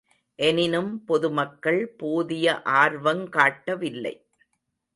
எனினும் பொதுமக்கள் போதிய ஆர்வங் காட்டவில்லை.